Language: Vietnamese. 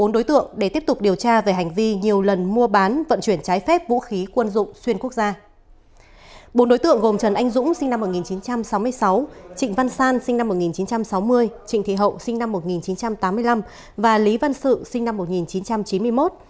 bốn đối tượng gồm trần anh dũng sinh năm một nghìn chín trăm sáu mươi sáu trịnh văn san sinh năm một nghìn chín trăm sáu mươi trịnh thị hậu sinh năm một nghìn chín trăm tám mươi năm và lý văn sự sinh năm một nghìn chín trăm chín mươi một